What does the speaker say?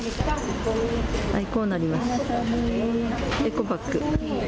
こうなります、エコバッグ。